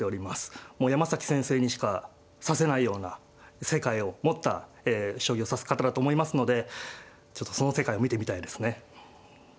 もう山崎先生にしか指せないような世界を持った将棋を指す方だと思いますのでちょっとその世界を見てみたいですね。